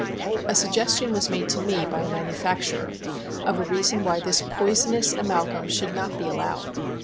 A suggestion was made to me by a manufacturer, of a rea son why this poisonous amalgum should not be allowed.